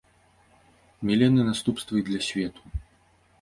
Мелі яны наступствы і для свету.